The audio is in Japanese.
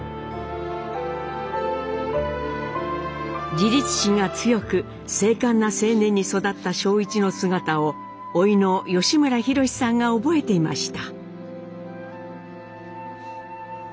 自立心が強く精かんな青年に育った正一の姿をおいの吉村弘さんが覚えていました。